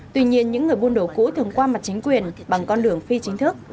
tuy nhiên những người buôn đồ cũ thường qua mặt chính quyền bằng con đường phi chính thức